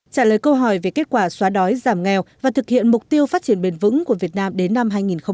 trả lời câu hỏi về kết quả xóa đói giảm nghèo và thực hiện mục tiêu phát triển bền vững của việt nam đến năm hai nghìn ba mươi